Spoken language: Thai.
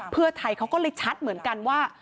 เพื่อไทยเขาก็เลยชัดเหมือนกันว่า